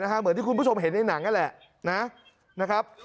เหมือนที่คุณผู้ชมเห็นในหนังนั่นแหละนะครับ